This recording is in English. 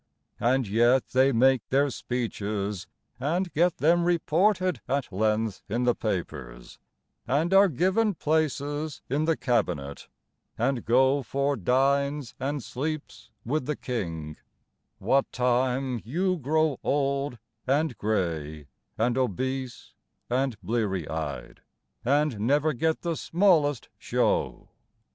And yet they make their speeches And get them reported at length in the papers, And are given places in the Cabinet, And go for "dines and sleeps" with the King, What time you grow old and grey and obese and bleary eyed, And never get the smallest show.